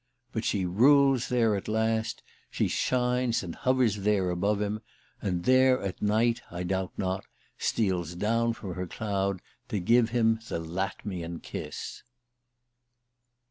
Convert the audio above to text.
But she rules there at last, she shines and hovers there above him, and there at night, I doubt not, steals down from her cloud to give him the Latmian kiss.